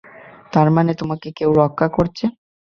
তার মানে তোমাকে কেউ রক্ষা করছে।